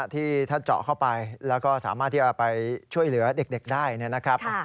ที่ถ้าเจาะเข้าไปแล้วก็สามารถที่จะไปช่วยเหลือเด็กได้นะครับ